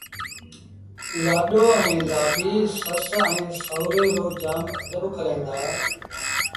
لآڏو ائيٚݩ لآڏيٚ سس ائيٚݩ سُوري رو جآم ادب ڪريݩ دآ